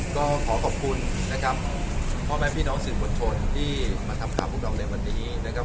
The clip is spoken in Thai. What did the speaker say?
ก็ขอขอบคุณนะครับพ่อแม่พี่น้องสื่อมวลชนที่มาทำข่าวพวกเราในวันนี้นะครับ